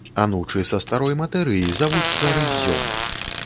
Анучы са старой матэрыі завуцца рыззём.